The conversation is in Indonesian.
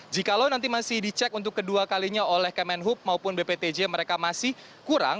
jikalau nanti masih dicek untuk kedua kalinya oleh kemenhub maupun bptj mereka masih kurang